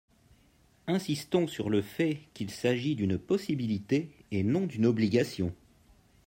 Insistons sur le fait qu’il s’agit d’une possibilité et non d’une obligation.